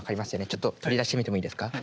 ちょっと取り出してみてもいいですか。